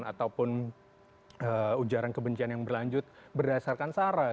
ataupun ujaran kebencian yang berlanjut berdasarkan sara